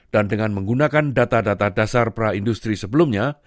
dan dengan menggunakan data data dasar pra industri sebelumnya